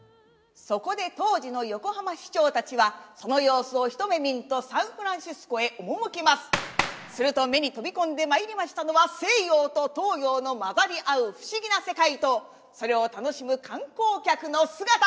そこで当時の横浜市長達はその様子を一目見んとサンフランシスコへ赴きますすると目に飛び込んでまいりましたのは西洋と東洋の混ざり合う不思議な世界とそれを楽しむ観光客の姿